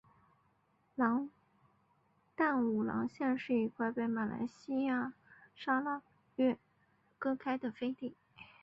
淡武廊县是一块被马来西亚砂拉越割开的飞地。